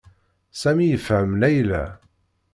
Sami yefhem Layla.